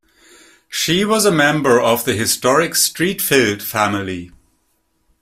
She was a member of the historic Streatfeild family.